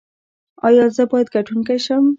ایا زه باید ګټونکی شم؟